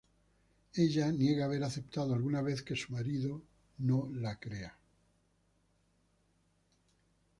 Ella niega haber aceptado alguna vez, pero su marido no le cree.